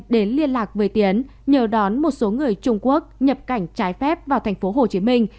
đến liên lạc với tiến nhờ đón một số người trung quốc nhập cảnh trái phép vào thành phố hồ chí minh